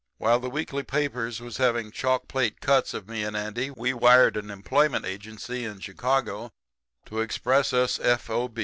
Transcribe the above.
"While the weekly papers was having chalk plate cuts of me and Andy we wired an employment agency in Chicago to express us f.o.